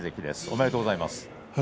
おめでとうございます。